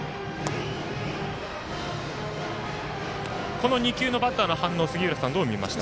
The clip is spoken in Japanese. この２球のバッターの反応杉浦さん、どう見ました？